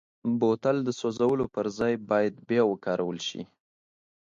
بوتل د سوزولو پر ځای باید بیا وکارول شي.